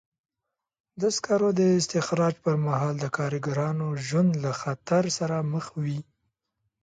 د سکرو د استخراج پر مهال د کارګرانو ژوند له خطر سره مخ وي.